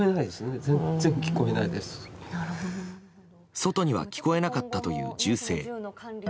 外には聞こえなかったという銃声。